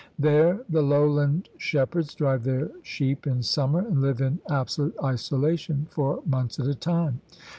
There the lowland shep herds drive their sheep in summer and hve in absolute isolation for months at a time.